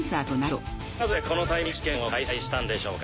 なぜこのタイミングで試験を開催したんでしょうか？